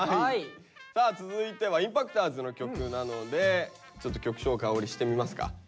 さあ続いてはＩＭＰＡＣＴｏｒｓの曲なのでちょっと曲紹介碧してみますか。